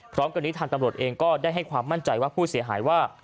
พร้อมกันนี้ทางตำรวจเองก็ได้ให้ความมั่นใจว่าผู้เสียหายว่า